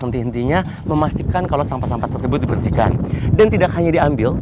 henti hentinya memastikan kalau sampah sampah tersebut dibersihkan dan tidak hanya diambil